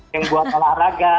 yang buat olahraga